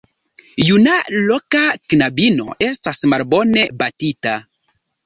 Juna loka knabino estas malbone batita.